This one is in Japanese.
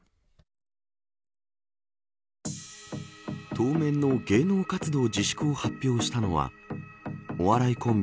当面の芸能活動自粛を発表したのはお笑いコンビ